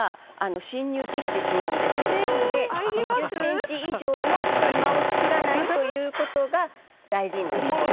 なので２０センチ以上の隙間を作らないという事が大事になります。